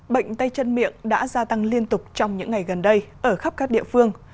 bệnh tay chân miệng đã gia tăng liên tục trong những ngày gần đây ở khắp các địa phương